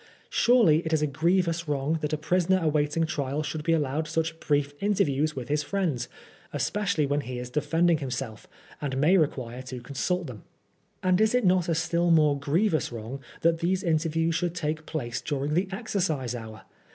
Surely it is a grievous wrong that a prisoner awaiting trial should be allowed such brief interviews with his friends, especially when he is de fending himself, and may require to consult them. And is it not a still more grievous wrong that these interviews should take place during the exercise hour